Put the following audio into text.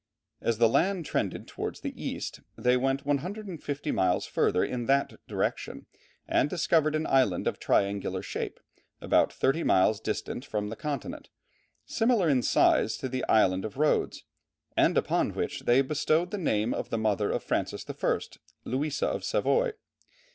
As the land trended towards the east, they went 150 miles further in that direction, and discovered an island of triangular shape about thirty miles distant from the continent, similar in size to the Island of Rhodes, and upon which they bestowed the name of the mother of Francis I., Louisa of Savoy.